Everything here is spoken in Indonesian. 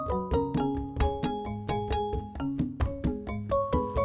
iya saya berhenti di sini aja